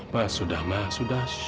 mas sudah mas sudah